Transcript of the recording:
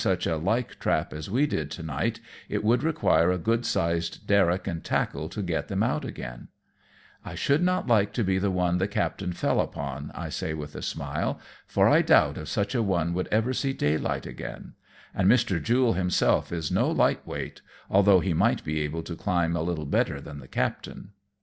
such a like trap as we did to night, it would require a good sized derrick and tackle to get them out again/' " I should not like to he the one the captain fell upon," I say with a smile, " for I doubt if such a one would ever see daylight again ; and Mr. Jule himself is no light weight, although he might be able to climb a little better than the captain."